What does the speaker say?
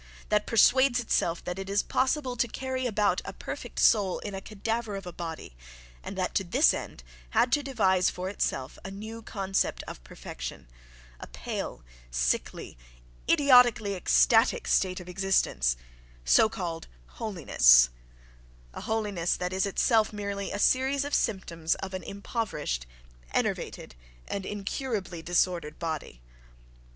that persuades itself that it is possible to carry about a "perfect soul" in a cadaver of a body, and that, to this end, had to devise for itself a new concept of "perfection," a pale, sickly, idiotically ecstatic state of existence, so called "holiness"—a holiness that is itself merely a series of symptoms of an impoverished, enervated and incurably disordered body!...